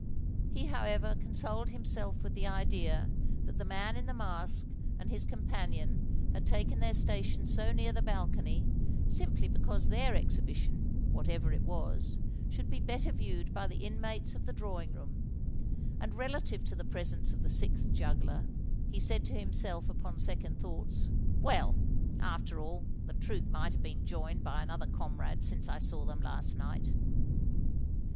He, however, consoled himself with the idea that the man in the mask and his companion had taken their station so near the balcony, simply because their exhibition, whatever it was, should be better viewed by the inmates of the drawing room; and relative to the presence of the sixth juggler, he said to himself upon second thoughts, "Well, after all, the troop might have been joined by another comrade since I saw them last night."